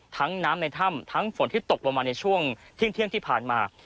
น้ำในถ้ำทั้งฝนที่ตกลงมาในช่วงเที่ยงที่ผ่านมา